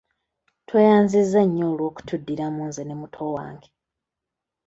Tweyanzizza nnyo olw'okutuddiramu nze ne muto wange.